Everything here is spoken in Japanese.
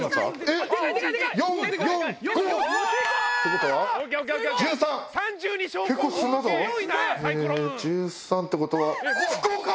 え１３ってことは福岡！